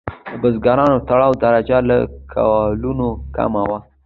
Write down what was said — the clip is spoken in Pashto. د بزګرانو د تړاو درجه له کولونو کمه وه.